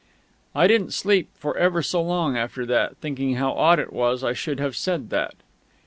I didn't sleep for ever so long after that, thinking how odd it was I should have said that.